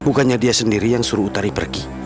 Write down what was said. bukannya dia sendiri yang suruh utari pergi